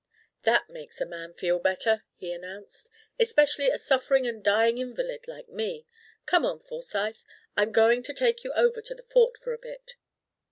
"That makes a man feel better," he announced, "especially a suffering and dying invalid like me. Come on, Forsyth, I'm going to take you over to the Fort for a bit."